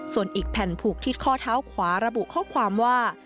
ส่วนอีกแผ่นผูกที่ข้อเท้าขวาระบุข้อความว่า